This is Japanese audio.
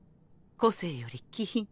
個性より気品。